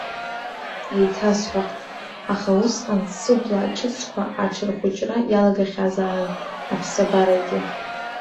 Еиҭасҳәахт, аха усҟан сыбла аҷыцқәа аҽырхәыҷра иалагахьазаарын, аԥсабарагьы.